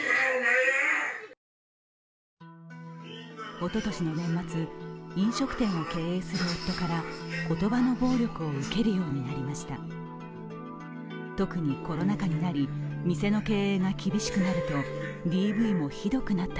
おととしの年末、飲食店を経営する夫から言葉の暴力を受けるようになりました。